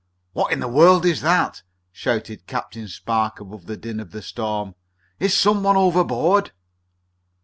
"What in the world is that?" shouted Captain Spark above the din of the storm. "Is some one overboard?"